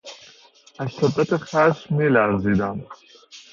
از شدت خشم میلرزیدم.